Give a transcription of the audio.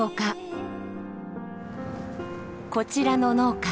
こちらの農家。